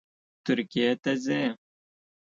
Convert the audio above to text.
ترکیې ته ځي